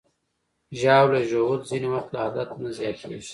ژاوله ژوول ځینې وخت له عادت نه زیاتېږي.